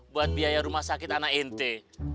buat biaya rumah sakit anak inte